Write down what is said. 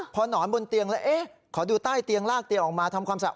พอนอนบนเตียงแล้วเอ๊ะขอดูใต้เตียงลากเตียงออกมาทำความสะอาด